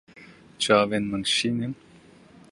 Çavên min şîn in.